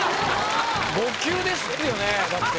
５級ですよねだって。